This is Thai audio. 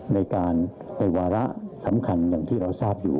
ในการในวาระสำคัญอย่างที่เราทราบอยู่